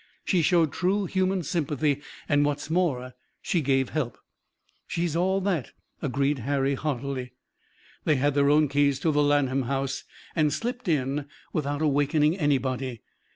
She showed true human sympathy, and what's more, she gave help." "She's all that," agreed Harry heartily. They had their own keys to the Lanham house and slipped in without awakening anybody.